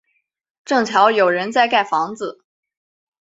正巧有人在盖房子